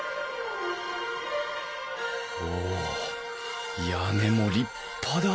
お屋根も立派だ